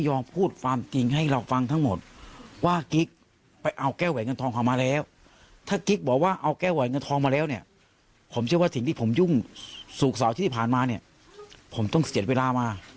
อย่างวิธีในวันนี้ที่ทำแล้วหญิงแก่คนนั้นจะไม่มา